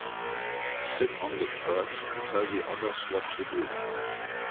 Sit on the perch and tell the others what to do.